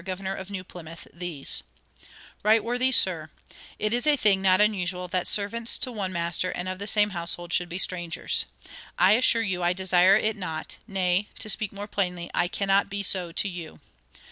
Governor of New Plymouth, these:_ "RIGHT WORTHY SIR: It is a thing not usual that servants to one Master and of the same household should be strangers. I assure you I desire it not; nay, to speak more plainly, I cannot be so to you.